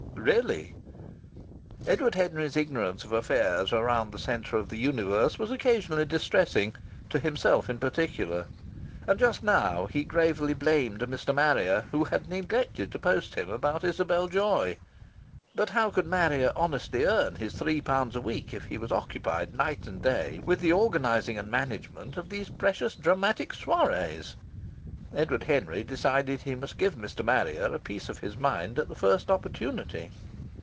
"Really!" Edward Henry's ignorance of affairs round about the centre of the universe was occasionally distressing to himself in particular. And just now he gravely blamed Mr. Marrier, who had neglected to post him about Isabel Joy. But how could Marrier honestly earn his three pounds a week if he was occupied night and day with the organizing and management of these precious dramatic soirées? Edward Henry decided that he must give Mr. Marrier a piece of his mind at the first opportunity.